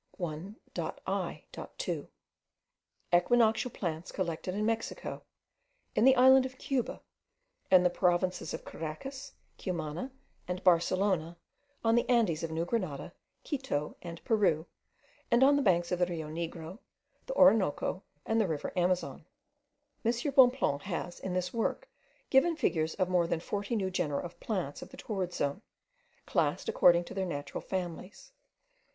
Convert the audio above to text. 1.I.2. EQUINOCTIAL PLANTS COLLECTED IN MEXICO, IN THE ISLAND OF CUBA, IN THE PROVINCES OF CARACAS, CUMANA, AND BARCELONA, ON THE ANDES OF NEW GRENADA, QUITO, AND PERU, AND ON THE BANKS OF THE RIO NEGRO, THE ORINOCO, AND THE RIVER AMAZON. M. Bonpland has in this work given figures of more than forty new genera of plants of the torrid zone, classed according to their natural families.